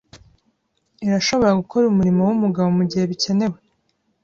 Irashobora gukora umurimo wumugabo mugihe bikenewe,